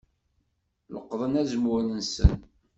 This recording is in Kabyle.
Leqḍen azemmur-nsen.